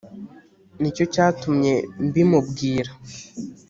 ni cyo cyatumye mbimubwira